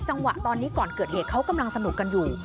จังหวะตอนนี้ก่อนเกิดเหตุเขากำลังสนุกกันอยู่